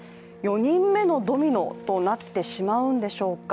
４人目のドミノとなってしまうんでしょうか。